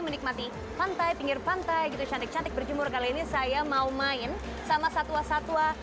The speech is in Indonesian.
menikmati pantai pinggir pantai gitu cantik cantik berjemur kali ini saya mau main sama satwa satwa